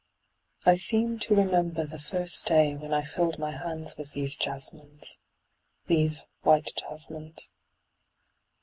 I seem to remember the first day when I filled my hands with these jasmines, these white jasmines.